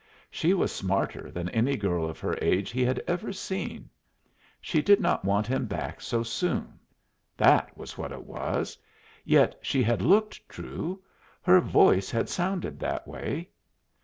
She was smarter than any girl of her age he had ever seen. She did not want him back so soon. That was what it was. Yet she had looked true; her voice had sounded that way.